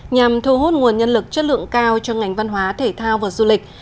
nhằm thu hút nguồn nhân lực chất lượng cao cho ngành văn hóa thể thao và du lịch